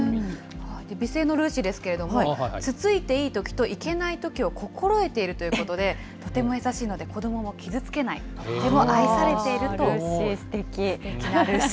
美声のルーシーですけれども、つついていいときと、いけないときを心得ているということで、とても優しいので、子どもも傷つけルーシー。